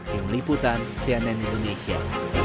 tim liputan cnn indonesia